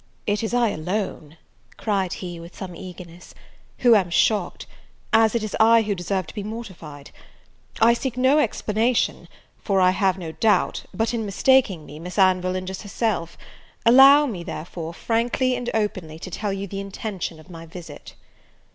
"It is I alone," cried he, with some eagerness, "who am shocked, as it is I who deserve to be mortified. I seek no explanation, for I have no doubt; but in mistaking me, Miss Anville injures herself: allow me therefore, frankly and openly, to tell you the intention of my visit."